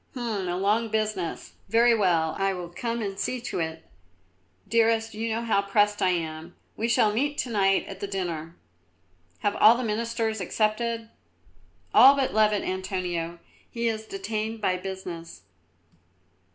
"H'm, a long business! Very well, I will come and see to it. Dearest, you know how pressed I am. We shall meet to night at the dinner. Have all the Ministers accepted?" "All but Louvet, Antonio. He is detained by business."